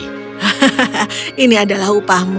hahaha ini adalah upahmu